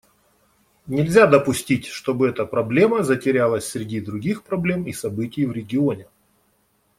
Нельзя допустить, чтобы эта проблема затерялась среди других проблем и событий в регионе.